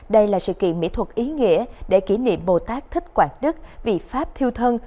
đây là sự kiện mỹ thuật ý nghĩa để kỷ niệm bồ tát thích quảng đức vị pháp thiêu thân